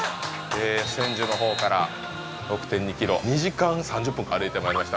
千住の方から６．２ｋｍ２時間３０分歩いてまいりました